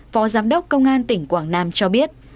phó giám đốc công an tỉnh quảng nam cho biết